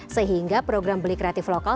sehingga program beli kreatif lokal